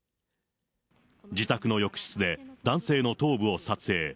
自宅の浴室で男性の頭部を撮影。